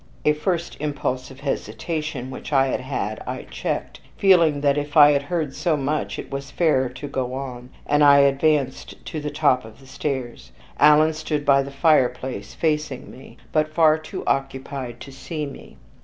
A first impulse of hesitation which I had had I checked, feeling that as I had heard so much it was fairer to go on, and I advanced to the top of the staircase. Alan stood by the fireplace facing me, but far too occupied to see me.